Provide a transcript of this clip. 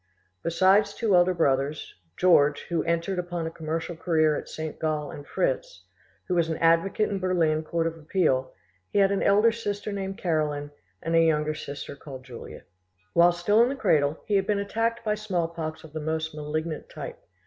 Besides two elder brothers, George, who entered upon a commercial career at St, Gall, and Fritz, who was an advocate in the Berlin court of appeal, he had an elder sister named Caroline, and a younger sister called Julia. While still in the cradle he had been attacked by smallpox of the most malignant type.